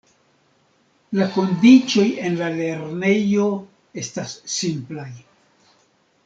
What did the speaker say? La kondiĉoj en la lernejo estas simplaj.